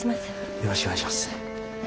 よろしくお願いします。